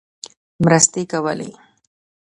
مرستې کولې.